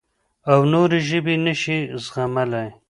او نورې ژبې نه شي زغملی.